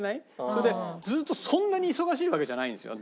それでずっとそんなに忙しいわけじゃないんですよ。